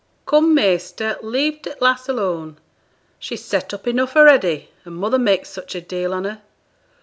'Come, measter, leave t' lass alone; she's set up enough a'ready, her mother makes such a deal on her.